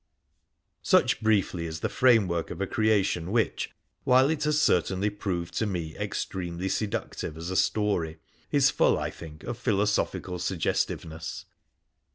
Such, briefly, is the framework of a creation which, while viii INTRODUCTION it has certainly proved to me extremely seductive i^s a story, is full, I think, of philosophical suggestiveness.